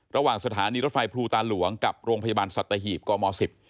ระหว่างสถานีรถไฟภูตาหลวงกับโรงพยาบาลสัตหีบกม๑๐